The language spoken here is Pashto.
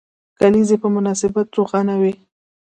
کلیزې په مناسبت روښانه وو.